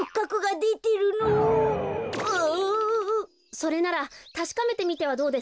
それならたしかめてみてはどうですか？